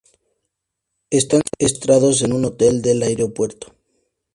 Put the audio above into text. Están secuestrados en un hotel del aeropuerto.